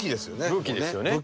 武器ですよね。